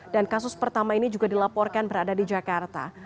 dan kasus pertama ini juga dilaporkan berada di jakarta